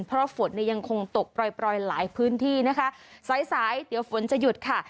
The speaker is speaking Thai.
เพราะฝนเนี่ยยังคงตกปล่อยปล่อยหลายพื้นที่นะคะสายสายเดี๋ยวฝนจะหยุดค่ะ